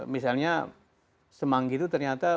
misalnya semanggi itu ternyata